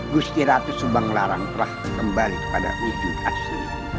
gusti ratu subanglarang telah kembali kepada wujud asli